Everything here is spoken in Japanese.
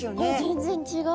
全然違う。